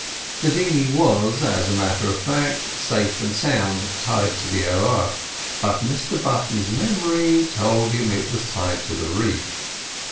The dinghy was, as a matter of fact, safe and sound tied to the aoa; but Mr Button's memory told him it was tied to the reef.